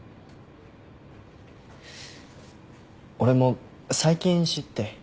俺も最近知って。